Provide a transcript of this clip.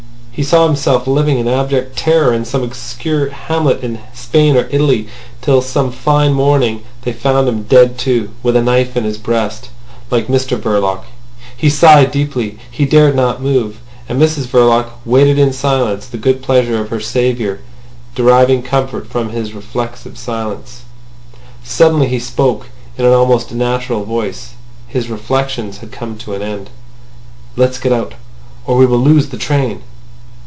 He saw himself living in abject terror in some obscure hamlet in Spain or Italy; till some fine morning they found him dead too, with a knife in his breast—like Mr Verloc. He sighed deeply. He dared not move. And Mrs Verloc waited in silence the good pleasure of her saviour, deriving comfort from his reflective silence. Suddenly he spoke up in an almost natural voice. His reflections had come to an end. "Let's get out, or we will lose the train."